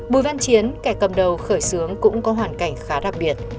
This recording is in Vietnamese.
bùi văn chiến kẻ cầm đầu khởi xướng cũng có hoàn cảnh khá đặc biệt